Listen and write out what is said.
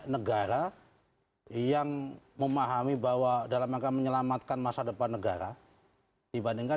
negara yang memahami bahwa dalam angka menyelamatkan masa depan negara dibandingkan